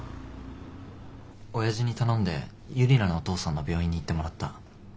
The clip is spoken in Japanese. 親父に頼んでユリナのお父さんの病院に行ってもらった。